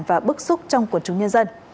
và bức xúc trong quần chúng nhân dân